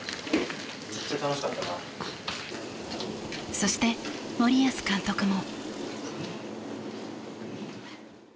そして、森保監督も。